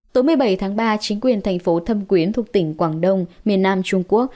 tối một mươi bảy tháng ba chính quyền thành phố thâm quyến thuộc tỉnh quảng đông miền nam trung quốc